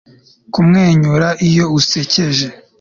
Kumwenyura iyo usekeje